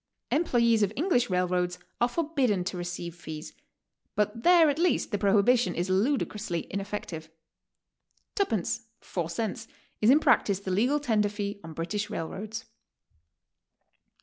Employes of Eng lish railroads are forbidden to receive fees, but there at 'least the prohibition is ludicrously ineffective. "Tuppence," four cents, is in practice the legal tender fee on British railroads.